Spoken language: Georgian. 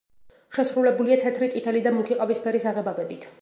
შესრულებულია თეთრი, წითელი და მუქი ყავისფერი საღებავებით.